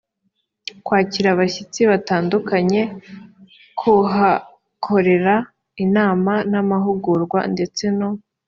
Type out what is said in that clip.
kwakira abashyitsi batandukanye kuhakorera inama n amahugurwa ndetse no